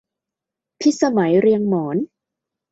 พิสมัยเรียงหมอน